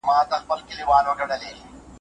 هم خوشال یې مور او پلار وه هم یې وړونه